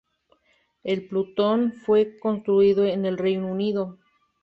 El "Plutón" fue construido en el Reino Unido.